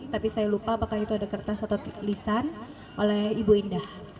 tapi saya lupa apakah itu ada kertas atau lisan oleh ibu indah